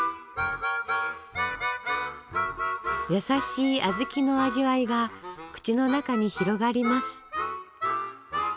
優しい小豆の味わいが口の中に広がります。